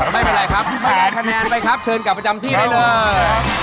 ไม่เป็นไรครับคะแนนไปครับเชิญกลับประจำที่ได้เลย